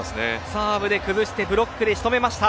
サーブで崩してブロックで仕留めました。